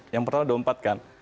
yang pertama ada empat kan